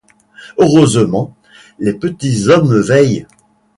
Heureusement, les Petits Hommes veillent...